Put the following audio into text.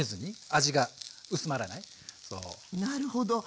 なるほど。